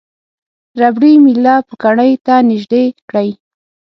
ربړي میله پوکڼۍ ته نژدې کړئ.